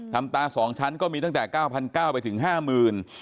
ธรรมตา๒ชั้นก็มีตั้งแต่๙๙๐๐บาทไปถึง๕หมื่น